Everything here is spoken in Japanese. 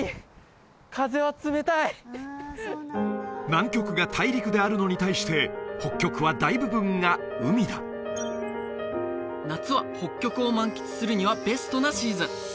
南極が大陸であるのに対して北極は大部分が海だ夏は北極を満喫するにはベストなシーズン